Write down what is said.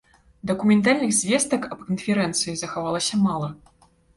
Дакументальных звестак аб канферэнцыі захавалася мала.